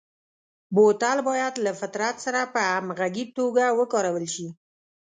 بوتل باید له فطرت سره په همغږي توګه وکارول شي.